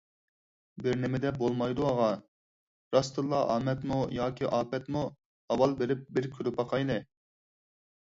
بىرنېمىدەپ بولمايدۇ، ئاغا، راستتىنلا ئامەتمۇ ياكى ئاپەتمۇ، ئاۋۋال بېرىپ بىر كۆرۈپ باقايلى.